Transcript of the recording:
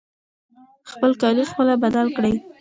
خپل کالي خپله بدل کړئ.